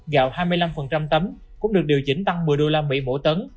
gạo hai mươi năm tấm cũng được điều chỉnh tăng một mươi đô la mỹ mỗi tấn